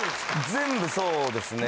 全部そうですね。